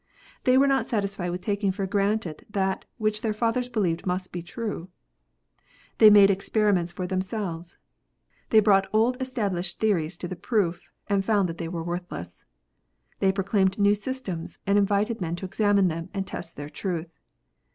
They were not satisfied with taking for granted that what their fathers believed must be true. They made experiments for themselves. They brought old established theories to the proof, and found that they were worthless. They proclaimed new systems, and invited men to examine them, and test their truth.